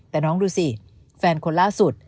แต่น้องดูสิแฟนคนล่าสุด